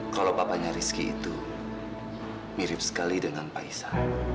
kalau papanya rizky itu mirip sekali dengan paisa